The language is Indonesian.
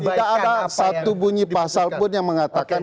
tidak ada satu bunyi pasal pun yang mengatakan